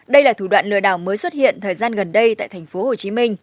đây là thủ đoạn lừa đảo mới xuất hiện thời gian gần đây tại tp hcm